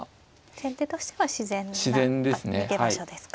先手としては自然な逃げ場所ですか。